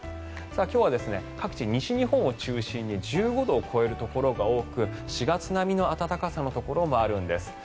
今日は各地、西日本を中心に１５度を超えるところが多く４月並みの暖かさのところもあるんです。